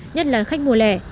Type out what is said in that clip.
nhất là khách mùa lẻ